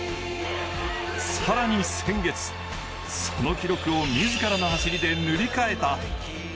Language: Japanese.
更に先月、その記録を自らの走りで塗り替えた。